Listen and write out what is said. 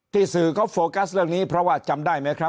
สื่อเขาโฟกัสเรื่องนี้เพราะว่าจำได้ไหมครับ